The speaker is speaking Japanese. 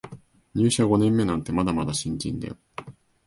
入社五年目なんてまだまだ新人だよ